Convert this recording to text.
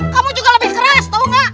kamu juga lebih keras tahu nggak